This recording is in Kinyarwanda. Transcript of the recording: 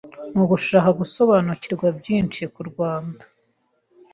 Mu gushaka gusobanukirwa byinshi k’u Rwanda,